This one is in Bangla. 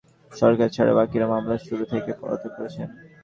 আসামিদের মধ্যে শাহজাহান সরকার ছাড়া বাকিরা মামলার শুরু থেকেই পলাতক রয়েছেন।